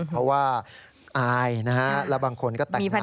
เพราะว่าอายนะฮะแล้วบางคนก็แต่งหน้า